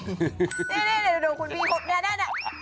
นี่ดูคุณพี่พวกนี้